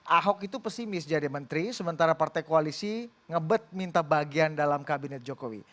ahok itu pesimis jadi menteri sementara partai koalisi ngebet minta bagian dalam kabinet jokowi